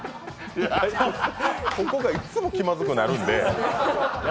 ここがいつも気まずくなるので。